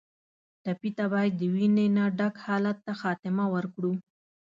ټپي ته باید د وینې نه ډک حالت ته خاتمه ورکړو.